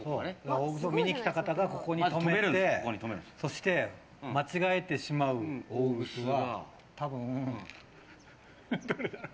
大楠を見に来た方がまずここに止めてそして、間違えてしまう大楠は。